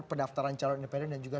pendaftaran calon independen dan juga